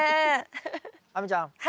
亜美ちゃん。